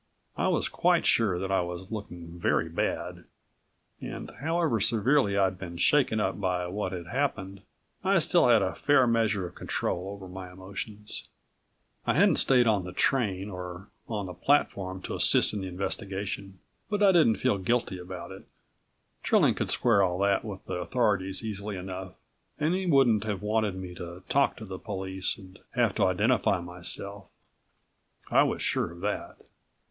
I was quite sure that I was looking very bad, and however severely I'd been shaken up by what had happened I still had a fair measure of control over my emotions. I hadn't stayed in the train or on the platform to assist in the investigation, but I didn't feel guilty about it. Trilling could square all that with the authorities easily enough and he wouldn't have wanted me to talk to the police and have to identify myself. I was sure of that.